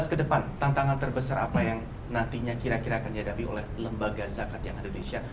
ke depan tantangan terbesar apa yang nantinya kira kira akan dihadapi oleh lembaga zakat yang ada di indonesia